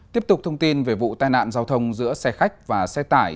tiếp tục thông tin về vụ tai nạn giao thông giữa xe khách và xe tải